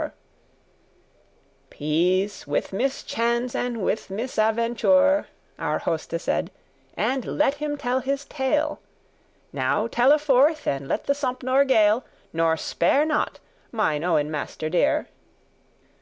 * *care "Peace, with mischance and with misaventure," Our Hoste said, "and let him tell his tale. Now telle forth, and let the Sompnour gale,* *whistle; bawl Nor spare not, mine owen master dear."